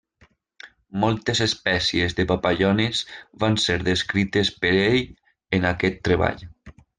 Moltes espècies de papallones van ser descrites per ell en aquest treball.